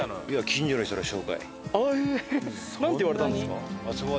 えっ！なんて言われたんですか？